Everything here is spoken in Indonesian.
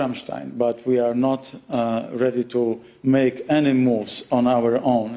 tapi kita tidak siap membuat pergerakan sendiri karena seperti saya katakan